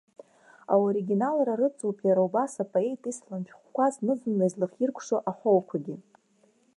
Аоригиналра рыҵоуп иара убас апоет исалам шәҟәқәа знызынла излахиркәшо аҳәоуқәагьы.